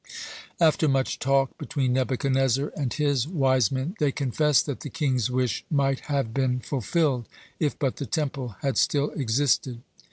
After much talk between Nebuchadnezzar and his wise men, they confessed that the king's wish might have been fulfilled, if but the Temple had still existed.